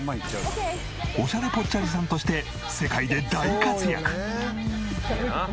オシャレぽっちゃりさんとして世界で大活躍！